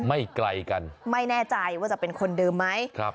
ไม่ไกลกันไม่แน่ใจว่าจะเป็นคนเดิมไหมครับ